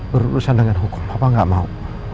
berurusan dengan hukum papa ga mau